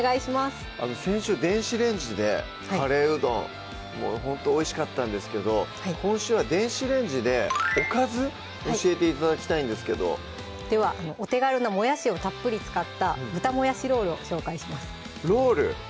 先週電子レンジで「カレーうどん」ほんとおいしかったんですけど今週は電子レンジでおかず教えて頂きたいんですけどではお手軽なもやしをたっぷり使った「豚もやしロール」を紹介しますロール？